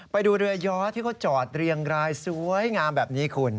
ไปดูเรือย้อที่เขาจอดเรียงรายสวยงามแบบนี้คุณ